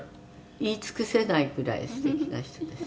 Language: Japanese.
「言い尽くせないぐらい素敵な人でした」